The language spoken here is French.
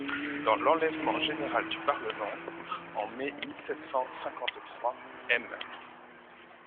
Dans l'enlèvement général du Parlement (en mai mille sept cent cinquante-trois), M.